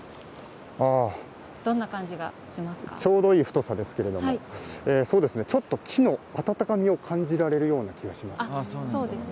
ちょうどいい太さですけれどもちょっと木の温かみを感じられるような気がします。